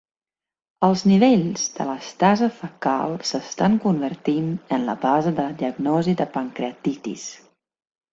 Els nivells d'elastasa fecal s'estan convertint en la base de la diagnosi de pancreatitis.